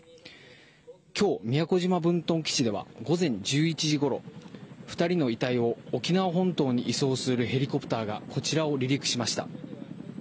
きょう宮古島分屯基地では午前１１時ごろ、２人の遺体を沖縄本島に移送するヘリコプターがこちらを離陸しました。